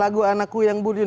lagu anakku yang budi